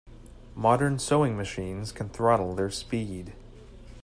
Modern sewing machines can throttle their speed.